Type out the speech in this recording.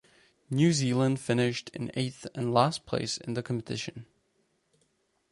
New Zealand finished in eighth and last place in the competition.